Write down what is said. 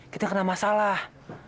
kita kena masalah